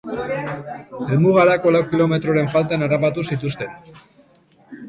Helmugarako lau kilometroren faltan harrapatu zituzten.